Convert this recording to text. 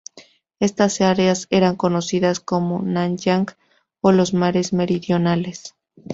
Estas áreas eran conocidas como "Nanyang "o los mares meridionales.